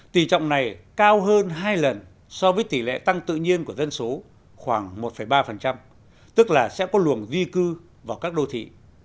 tỷ trọng này cao hơn hai lần so với tỷ lệ tăng tự nhiên của dân số khoảng một ba tức là sẽ có luồng di cư vào các đô thị